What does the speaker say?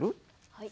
はい。